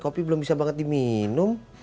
kopi belum bisa banget diminum